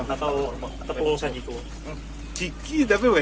atau tepung saja itu